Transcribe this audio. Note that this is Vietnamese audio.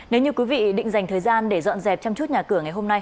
nếu như quý vị định dành thời gian để dọn dẹp chăm chút nhà cửa ngày hôm nay